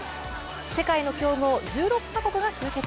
世界の強豪１６カ国が集結。